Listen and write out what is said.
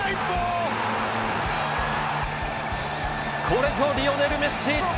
これぞ、リオネル・メッシ。